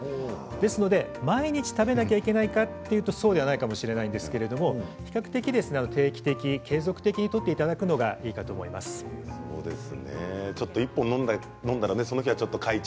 ですので毎日食べなきゃいけないかというとそうではないかもしれないですけれども、比較的定期的継続的にとっていただくのがいいかと思います。